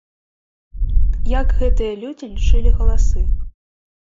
Як гэтыя людзі лічылі галасы?